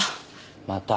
また？